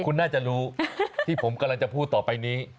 คุณน่าจะรู้ที่ผมกำลังจะพูดต่อไปนี้